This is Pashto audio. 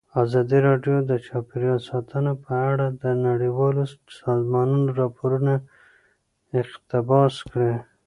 ازادي راډیو د چاپیریال ساتنه په اړه د نړیوالو سازمانونو راپورونه اقتباس کړي.